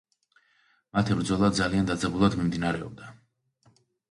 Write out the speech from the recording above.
მათი ბრძოლა ძალიან დაძაბულად მიმდინარეობდა.